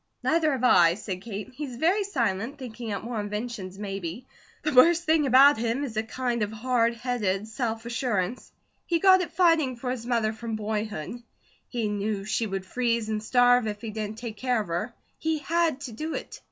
"Neither have I," said Kate. "He's very silent, thinking out more inventions, maybe. The worst thing about him is a kind of hard headed self assurance. He got it fighting for his mother from boyhood. He knew she would freeze and starve if he didn't take care of her; he HAD to do it.